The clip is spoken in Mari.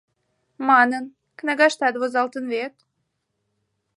Манын, кнагаштат возалтын вет?..